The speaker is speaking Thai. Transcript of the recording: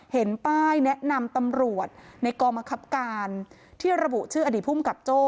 เห็นป้ายแนะนำตำรวจในกองบังคับการที่ระบุชื่ออดีตภูมิกับโจ้